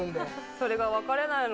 それが分かれないの。